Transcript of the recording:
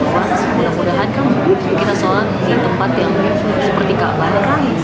semoga mudah mudahan kita sholat di tempat yang seperti kaabah